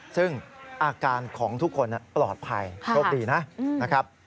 ซึ่งอาการของทุกคนปลอดภัยโชคดีนะครับ